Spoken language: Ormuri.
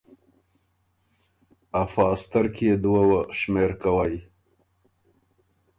” افا سترکيې دُوه وه شمېر کوئ“